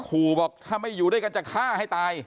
บอกถ้าไม่อยู่ด้วยกันจะฆ่าให้ตาย